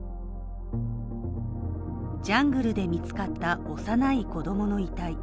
ジャングルで見つかった幼い子供の遺体。